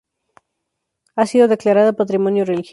Ha sido declarada patrimonio religioso.